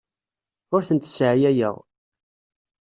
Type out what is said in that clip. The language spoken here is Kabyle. Ur tent-sseɛyayeɣ.